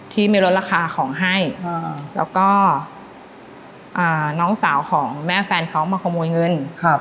ที่ไม่ลดราคาของให้แล้วก็น้องสาวของแม่แฟนเขามาขโมยเงิน